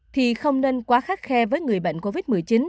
thì không nên quá khắt khe với người bệnh covid một mươi chín